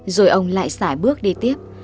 rồi ông lại xảy bước đi tiếp